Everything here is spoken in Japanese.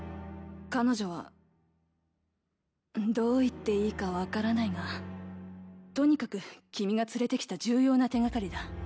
彼女はどう言っていいか分からないがとにかく君が連れてきた重要な手がかりだ。